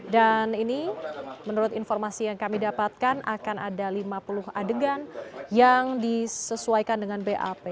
dan ini menurut informasi yang kami dapatkan akan ada lima puluh adegan yang disesuaikan dengan bap